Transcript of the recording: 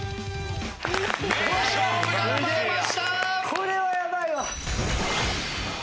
これはやばいわ！